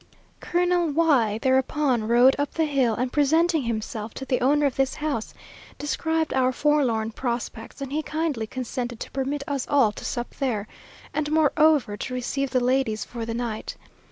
Colonel Y thereupon rode up the hill, and presenting himself to the owner of this house, described our forlorn prospects, and he kindly consented to permit us all to sup there, and moreover to receive the ladies for the night.